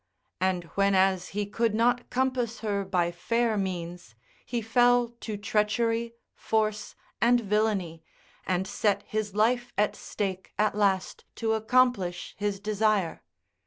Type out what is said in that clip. And when as he could not compass her by fair means, he fell to treachery, force and villainy, and set his life at stake at last to accomplish his desire.